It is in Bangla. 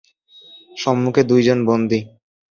সম্মুখে দুইজন বন্দী।